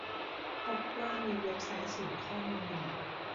พบว่ามีเว็บไซต์ศูนย์ข้อมูล